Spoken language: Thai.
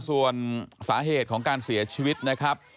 ส่วนสาเหตุของการเสียชีวิตนะครับ